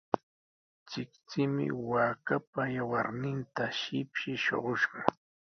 Chikchimi waakaapa yawarninta shipshi shuqushqa.